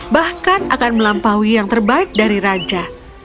bahkan akan melampaui yang terbaik dari raja